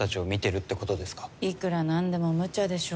いくら何でも無茶でしょ。